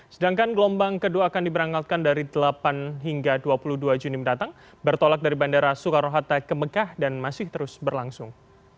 sedangkan gelombang kedua akan diberangkatkan dari delapan hingga dua puluh dua juni mendatang bertolak dari bandara soekarno hatta ke mekah dan masih terus berlangsung